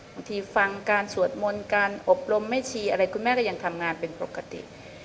บางทีฟังการสวดมนต์การอบรมแม่ชีอะไรคุณแม่ก็ยังทำงานเป็นปกติ